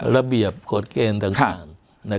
ระเบียบกฎเกณฑ์ต่าง